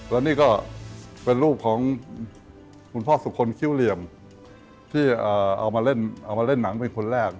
แล้วนี่ก็เป็นรูปของคุณพ่อสุคลคิ้วเหลี่ยมที่เอามาเล่นเอามาเล่นหนังเป็นคนแรก